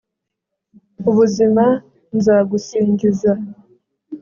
ubuzima, nzagusingiza